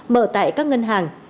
mở tại các ngân hàng